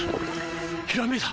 ひらめいた！